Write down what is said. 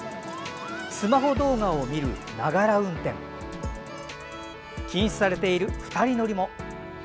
スマホ動画を見る、ながら運転禁止されている２人乗りも。